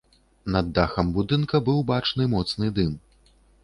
На дахам будынка быў бачны моцны дым.